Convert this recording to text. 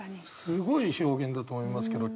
すごい表現だと思いますけど。